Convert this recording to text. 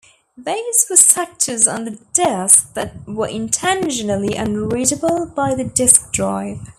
These were sectors on the disk that were intentionally unreadable by the disk drive.